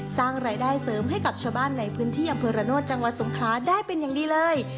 สร้างรายได้เสริมให้กับชาวบ้านในพื้นที่อำเภอระโนธจังหวัดสงคลาได้เป็นอย่างดีเลย